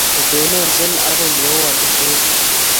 Otononse akoy ye owolu tyebutik.